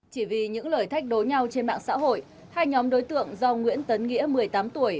chỉ vì những lời thách đối nhau trên mạng xã hội hai nhóm đối tượng do nguyễn tấn nghĩa một mươi tám tuổi